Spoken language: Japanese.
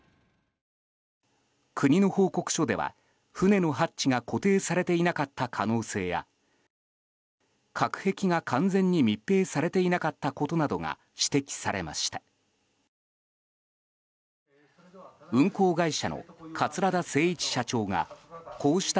国の報告書では、船のハッチが固定されていなかった可能性や隔壁が完全に密閉されていなかったことなどが指摘されました。